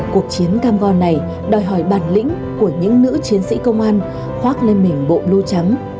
cuộc chiến cam go này đòi hỏi bản lĩnh của những nữ chiến sĩ công an khoác lên mình bộ lưu trắng